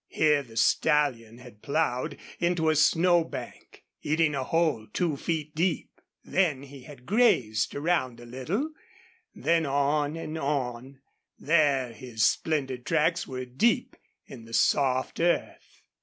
Here the stallion had plowed into a snow bank, eating a hole two feet deep; then he had grazed around a little; then on and on; there his splendid tracks were deep in the soft earth.